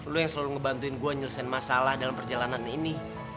lu yang selalu ngebantuin gue nyelesain masalah dalam perjalanan ini